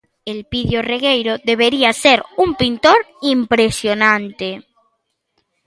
Elpidio Regueiro debería ser un pintor impresionante;